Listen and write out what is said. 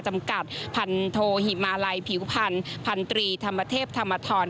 จำกัดพันโทหิมาลัยผิวพันธ์พันธรีธรรมเทพธรรมธร